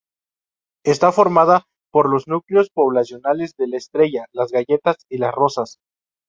Está formada por los núcleos poblacionales de La Estrella, Las Galletas y Las Rosas.